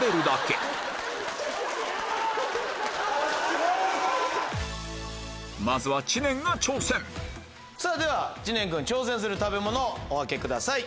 ルールはまずは知念が挑戦では知念君挑戦する食べ物お開けください。